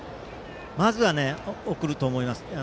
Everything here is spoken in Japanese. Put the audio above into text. まずは、送ると思います。